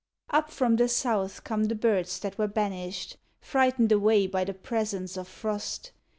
Up from the South come the birds that were banished, Frightened away by the presence of frost.